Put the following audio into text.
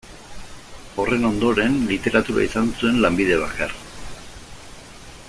Horren ondoren, literatura izan zuen lanbide bakar.